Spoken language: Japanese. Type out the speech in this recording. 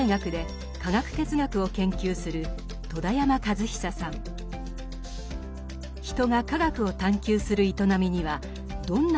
人が科学を探求する営みにはどんな意味や目的があるのか。